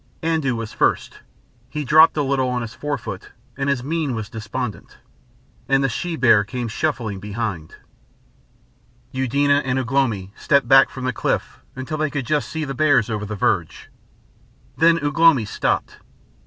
Andoo was first; he dropped a little on his fore foot and his mien was despondent, and the she bear came shuffling behind. Eudena and Ugh lomi stepped back from the cliff until they could just see the bears over the verge. Then Ugh lomi stopped.